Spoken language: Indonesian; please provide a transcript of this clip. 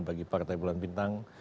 bagi partai bulan bintang